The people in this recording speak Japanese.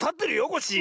コッシー。